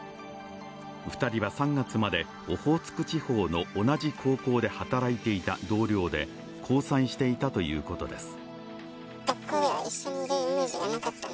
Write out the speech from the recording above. ２人は３月までオホーツク地方の同じ高校で働いていた同僚で交際していたということです。